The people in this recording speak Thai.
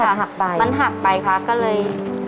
มันหักไปค่ะก็เลย